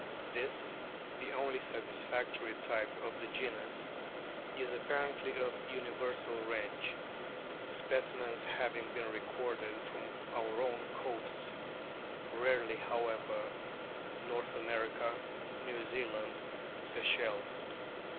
This the only satisfactory type of the genus is apparently of universal range, specimens having been recorded from our own coasts (rarely, how ever), North America, New Zealand, Seychelles.